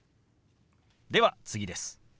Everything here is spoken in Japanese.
では次です。